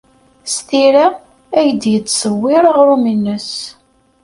S tira ay d-yettṣewwir aɣrum-nnes.